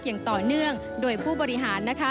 อย่างต่อเนื่องโดยผู้บริหารนะคะ